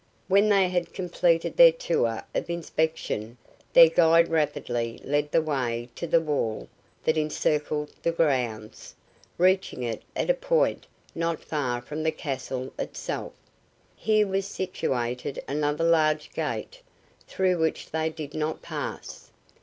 When they had completed their tour of inspection their guide rapidly led the way to the wall that encircled the grounds, reaching it at a point not far from the castle itself. Here was situated another large gate, through which they did not pass.